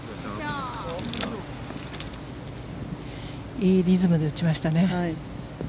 いいリズムで打ちましたね。